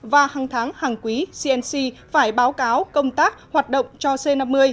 và hàng tháng hàng quý cnc phải báo cáo công tác hoạt động cho c năm mươi